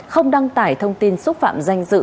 không đăng tải thông tin xúc phạm danh dự